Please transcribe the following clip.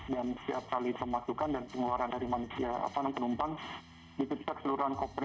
dan setiap kali termasukkan dan pengeluaran dari penumpang itu cita cita keseluruhan koper